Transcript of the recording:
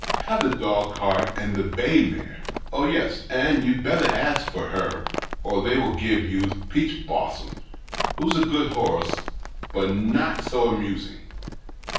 Have the dog cart and the bay mare. Oh yes — and you'd better ask for her, or they will give you ' Peach blossom,' who's a good horse, but not so amusing."